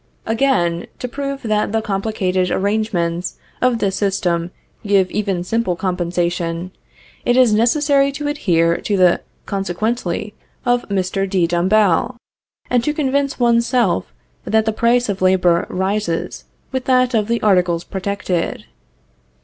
Again, to prove that the complicated arrangements of this system give even simple compensation, it is necessary to adhere to the "consequently" of Mr. de Dombasle, and to convince one's self that the price of labor rises with that of the articles protected.